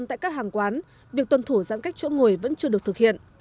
tại các hàng quán việc tuân thủ giãn cách chỗ ngồi vẫn chưa được thực hiện